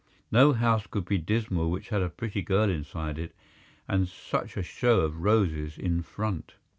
No house could be dismal which had a pretty girl inside it and such a show of roses in front.